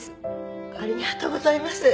ありがとうございます。